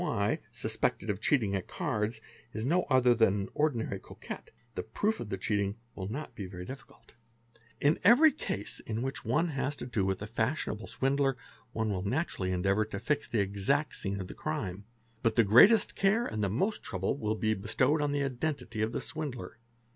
'', suspected of cheating at cards, iS no other than an, ordinary cocotte, the proof of the cheating will not ery difficult. 312 PRACTICES OF CRIMINALS In every case in which one has to do with a fashionable swindler one will naturally endeavour to fix the exact scene of the crime; but the — greatest care and the most trouble will be bestowed on the identity of the swindler.